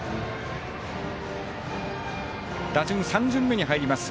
打順３巡目に入ります。